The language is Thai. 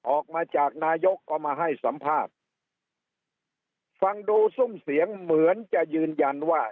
ออกมาจากนายกก็มาให้สัมภาษณ์ฟังดูซุ่มเสียงเหมือนจะยืนยันว่า